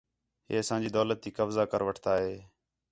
ہے اسانڄی دولت تی قوضہ کر وٹھتا ہے